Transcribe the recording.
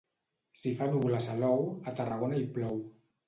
Si fa núvol a Salou, a Tarragona hi plou.